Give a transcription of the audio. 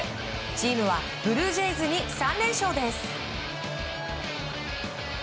チームはブルージェイズに３連勝です。